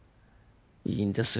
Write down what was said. いいんですよ